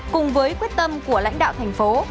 cùng với quyết tâm của lãnh đạo thành phố